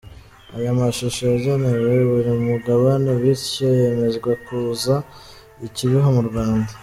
Aya mashusho yagenewe buri Mugabane, bityo yemezwa kuza i Kibeho mu Rwanda.